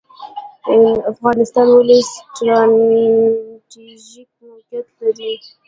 افغانستان ولې ستراتیژیک موقعیت لري؟